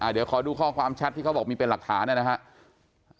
เดี๋ยวขอดูข้อความแชทที่เขาบอกมีเป็นหลักฐานนะครับ